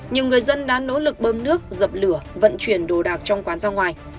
nhiều người dân đã nỗ lực bơm nước dập lửa vận chuyển đồ đạc trong quán ra ngoài